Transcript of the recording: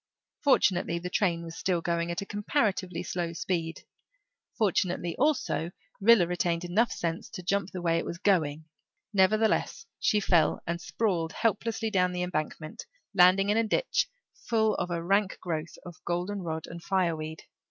Fortunately, the train was still going at a comparatively slow speed; fortunately also, Rilla retained enough sense to jump the way it was going; nevertheless, she fell and sprawled helplessly down the embankment, landing in a ditch full of a rank growth of golden rod and fireweed.